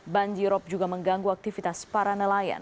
banjirop juga mengganggu aktivitas para nelayan